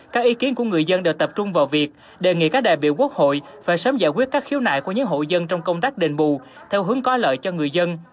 các ý kiến của người dân đều tập trung vào việc đề nghị các đại biểu quốc hội phải sớm giải quyết các khiếu nại của những hộ dân trong công tác đền bù theo hướng có lợi cho người dân